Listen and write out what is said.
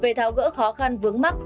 về tháo gỡ khó khăn vướng mắc